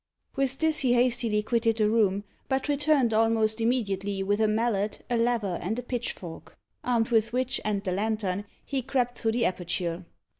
With this he hastily quitted the room, but returned almost immediately with a mallet, a lever, and a pitchfork; armed with which and the lantern, he crept through the aperture.